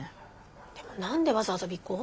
でも何でわざわざ尾行？